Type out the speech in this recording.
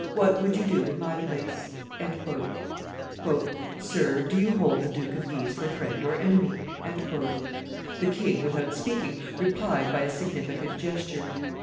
What would you do in my place?" "Sir, do you hold the Duke of Guise for friend or enemy?" The king, without speaking, replied by a significant gesture.